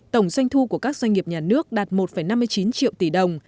tổng doanh thu của các doanh nghiệp nhà nước đạt một năm mươi chín triệu tỷ đồng